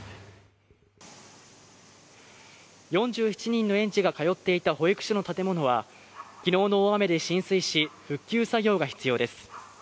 ４７人の園児が通っていた保育園の建物は、昨日の大雨が浸水し、復旧作業が必要です。